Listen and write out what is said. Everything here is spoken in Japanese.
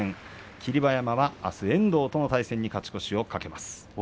霧馬山はあす遠藤との対戦に勝ち越しを懸けます。